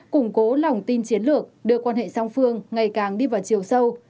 củng cố lòng tin chiến lược đưa quan hệ song phương ngày càng đi vào chiều sâu